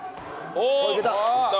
おっいけた。